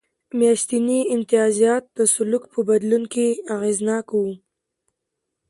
میاشتني امتیازات د سلوک په بدلون کې اغېزناک و